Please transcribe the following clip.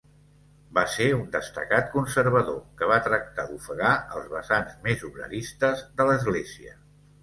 Va ser un destacat conservador, que va tractar d'ofegar els vessants més obreristes de l'Església.